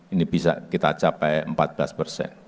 ini bisa kita capai empat belas persen